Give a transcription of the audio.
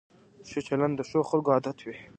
ښه چلند د ښو خلکو عادت وي.